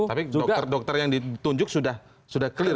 tapi dokter dokter yang ditunjuk sudah clear